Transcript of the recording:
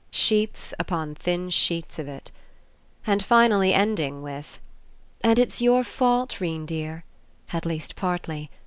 ..." Sheets upon thin sheets of it. And ending finally with, "and it's your fault, 'Rene dear. At least partly.